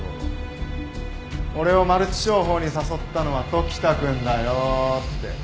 俺をマルチ商法に誘ったのは時田くんだよって。